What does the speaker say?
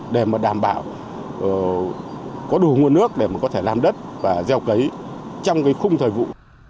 để đảm bảo có đủ nguồn nước để có thể làm đất và gieo cấy trong khung thời vụ